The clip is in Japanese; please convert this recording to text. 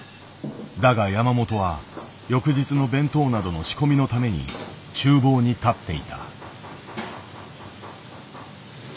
だが山本は翌日の弁当などの仕込みのために厨房に立っていた。